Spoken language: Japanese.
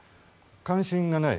関心がない。